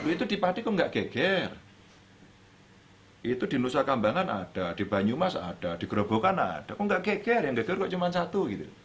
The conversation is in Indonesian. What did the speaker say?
itu di pati kok nggak geger itu di nusa kambangan ada di banyumas ada di gerobokan ada kok nggak geger yang geger kok cuma satu gitu